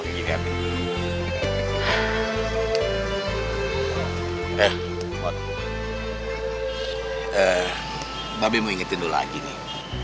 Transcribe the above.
mbak bi mau ingetin dulu lagi nih